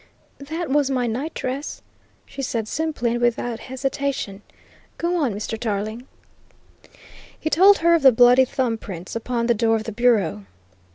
"That was my night dress," she said simply and without hesitation. "Go on, please, Mr. Tarling." He told her of the bloody thumb prints upon the door of the bureau.